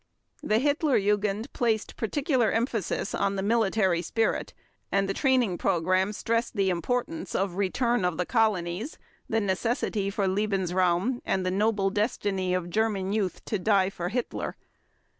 The Hitler Jugend placed particular emphasis on the military spirit and its training program stressed the importance of return of the colonies, the necessity for Lebensraum, and the noble destiny of German youth to die for Hitler.